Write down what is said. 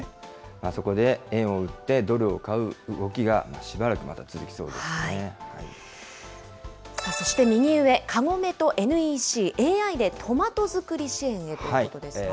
そこで円を売ってドルを買う動きが、しばらくまだ続きそうでさあそして、右上、カゴメとＮＥＣ、ＡＩでトマト作り支援へということですが。